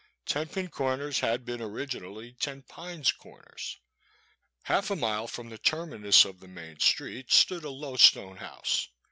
Ten Pin Comers had been originally Ten Pines Corners. Half a mile from the terminus of the main street stood a low stone house.